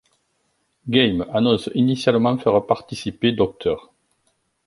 Game annonce initialement faire participer Dr.